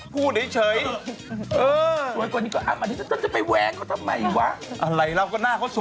พี่วันวั้นอะไรแล้ววันที่ไหนละ